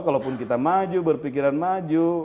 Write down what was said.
kalau pun kita maju berpikiran maju